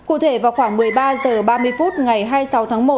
cụ thể vào khoảng một mươi ba h ba mươi phút ngày hai mươi sáu tháng một